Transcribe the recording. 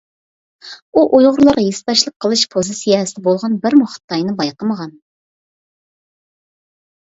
ئۇ ئۇيغۇرلارغا ھېسداشلىق قىلىش پوزىتسىيەسىدە بولغان بىرمۇ خىتاينى بايقىمىغان .